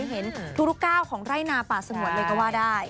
เห็นทุกก้าวของไร่นาป่าสงวนเลยก็ว่าได้